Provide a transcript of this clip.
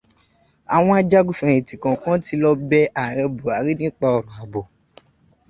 Àwọn ajagunfẹ̀yìntì kọ̀ọ̀kan ti lọ bẹ ààrẹ Bùhárí nípa ọ̀rọ̀ ààbò.